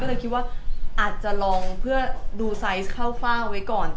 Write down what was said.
ก็เลยคิดว่าอาจจะลองเพื่อดูไซส์เข้าเฝ้าไว้ก่อน